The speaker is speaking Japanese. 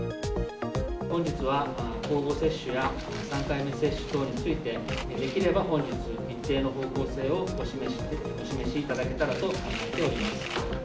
本日は交互接種や３回目接種等について、できれば本日、日程の方向性をお示しいただけたらと考えております。